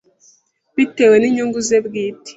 bitewe n’inyungu ze bwite